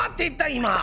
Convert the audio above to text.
今。